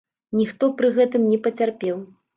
Ніхто пры гэтым не пацярпеў.